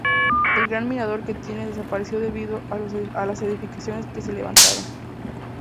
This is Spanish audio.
El gran mirador que tenía desapareció debido a las edificaciones que se levantaron.